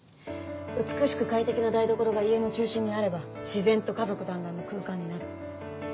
美しく快適な台所が家の中心にあれば自然と家族団らんの空間になる。